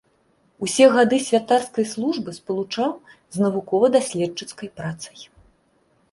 Усе гады святарскай службы спалучаў з навукова-даследчыцкай працай.